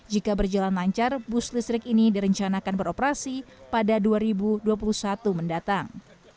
jika berjalan lancar bus listrik ini direncanakan beroperasi pada dua ribu dua puluh satu mendatang